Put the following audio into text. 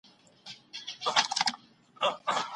که ارزښت يې وپېژنئ نو درناوی به مو وکړي.